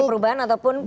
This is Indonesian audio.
koalisi perubahan ataupun